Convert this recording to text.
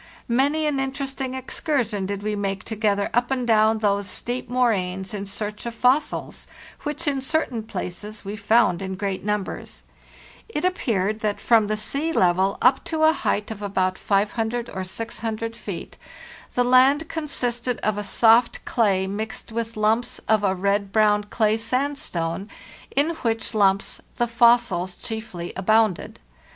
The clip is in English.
Many an interesting excursion did we make together up and down those steep moraines in search of fossils, which in certain places we found in great numbers. It appeared that from the sea level up to a height of JACKSON ON CAPE FLORA THE JOURNEY SOUTHWARD 5 cn. Se about 500 or 600 feet the land consisted of a soft clay mixed with lumps of a red brown clay sandstone, in which lumps the fossils chiefly abounded.